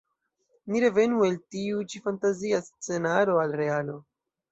Ni revenu el tiu ĉi fantazia scenaro al realo.